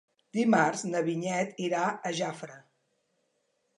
Dimarts na Vinyet irà a Jafre.